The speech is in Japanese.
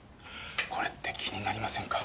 これって気になりませんか？